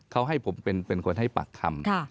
เขาให้ผมเป็นคนให้ปากคำ